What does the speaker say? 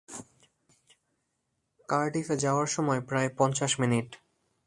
কার্ডিফে যাওয়ার সময় প্রায় পঞ্চাশ মিনিট।